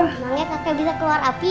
misalnya kakek bisa keluar api